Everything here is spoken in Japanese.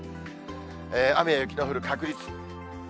雨や雪の降る確率。